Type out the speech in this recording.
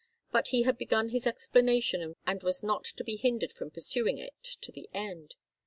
But he had begun his explanation, and was not to be hindered from pursuing it to the end.